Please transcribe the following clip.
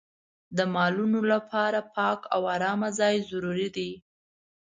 د مالونو لپاره پاک او ارامه ځای ضروري دی.